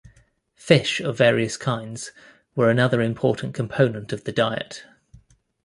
Fish of various kinds were another important component of the diet.